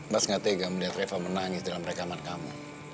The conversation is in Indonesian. mas gak tega melihat reva menangis dalam rekaman kamu